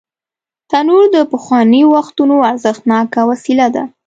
تنور د پخوانیو وختونو ارزښتناکه وسیله ده